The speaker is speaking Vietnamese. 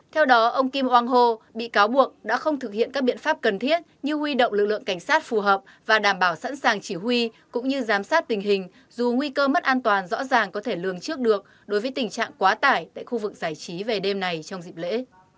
theo đó ông kim jong ho bị cáo buộc đã không thực hiện các biện pháp cần thiết như huy động lực lượng cảnh sát phù hợp và đảm bảo sẵn sàng chỉ huy cũng như giám sát tình hình dù nguy cơ mất an toàn rõ ràng có thể lường trước được đối với tình trạng quá tải tại khu vực giải trí về đêm này trong dịp lễ